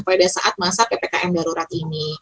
pada saat masa ppkm darurat ini